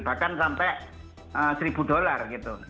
bahkan sampai seribu dollar gitu